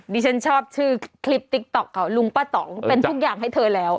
ดิฉันชอบชื่อคลิปลุงป้าตำเป็นทุกอย่างให้เธอแล้ว